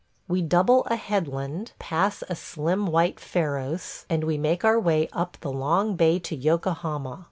... We double a headland, pass a slim white pharos, and we make our way up the long bay to Yokohama.